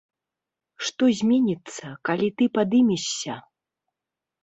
Што зменіцца, калі ты падымешся?